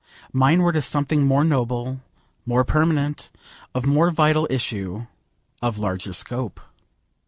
Mine were to something more noble, more permanent, of more vital issue, of larger scope.